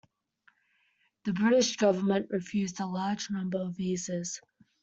The British government refused a large number of visas.